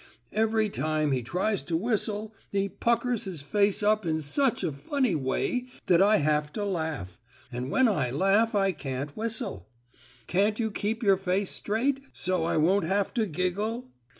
"Every time he tries to whistle he puckers his face up in such a funny way that I have to laugh, and when I laugh I can't whistle. Can't you keep your face straight, so I won't have to giggle?"